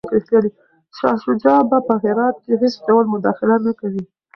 شاه شجاع به په هرات کي هیڅ ډول مداخله نه کوي.